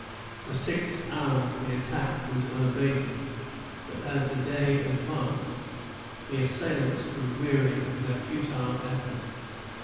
For six hours, the attack was unabated; but as the day advanced, the assailants grew weary of their futile efforts.